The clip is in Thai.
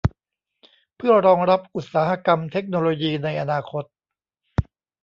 เพื่อรองรับอุตสาหกรรมเทคโนโลยีในอนาคต